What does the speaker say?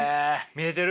見えてる？